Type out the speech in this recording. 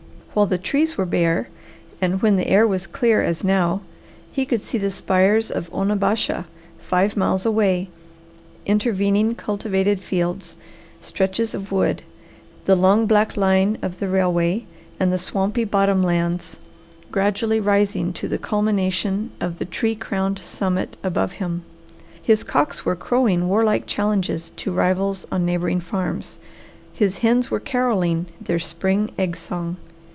While the trees were bare, and when the air was clear as now, he could see the spires of Onabasha, five miles away, intervening cultivated fields, stretches of wood, the long black line of the railway, and the swampy bottom lands gradually rising to the culmination of the tree crowned summit above him. His cocks were crowing warlike challenges to rivals on neighbouring farms. His hens were carolling their spring egg song.